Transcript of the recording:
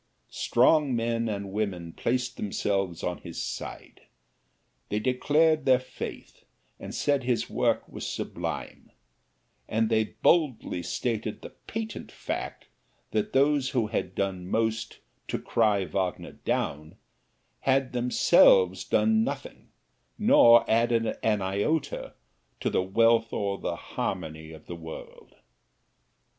Strong men and women placed themselves on his side. They declared their faith, and said his work was sublime; and they boldly stated the patent fact that those who had done most to cry Wagner down, had themselves done nothing, nor added an iota to the wealth or the harmony of the world.